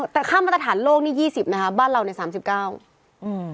แต่ค่ามาตรฐานโลกนี่๒๐นะฮะบ้านเราเนี่ย๓๙